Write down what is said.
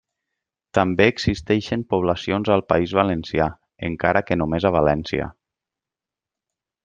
També existeixen poblacions al País Valencià, encara que només a València.